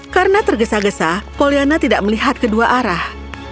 karena tergesa gesa poliana tidak melihat kedua arah